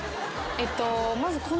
えっと。